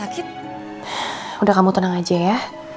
ada orang di depan